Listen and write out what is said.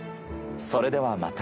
それではまた。